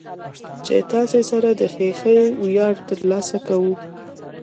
چې تاسې سره د خېښۍ وياړ ترلاسه کو.